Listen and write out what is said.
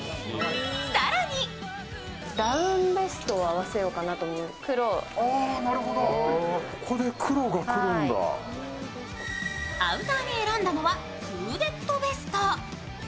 更にアウターに選んだのはフーデッドベスト。